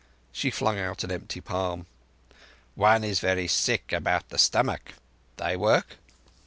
She flung out an empty palm. "One is very sick about the stomach. Thy work?"